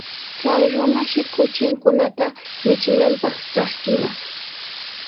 Chay runashi kuchinkunata michinanpaq traskinaq.